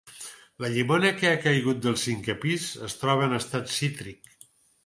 La llimona que ha caigut del cinquè pis es troba en estat cítric.